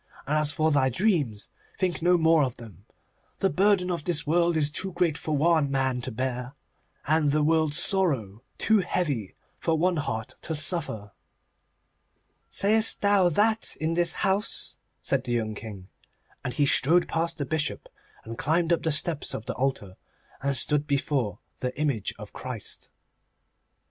And as for thy dreams, think no more of them. The burden of this world is too great for one man to bear, and the world's sorrow too heavy for one heart to suffer.' 'Sayest thou that in this house?' said the young King, and he strode past the Bishop, and climbed up the steps of the altar, and stood before the image of Christ.